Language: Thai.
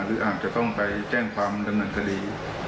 หรืออาจจะต้องไปแจ้งความดำเนินคดี